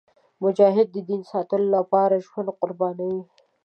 مجاهد د دین ساتلو لپاره ژوند قربانوي.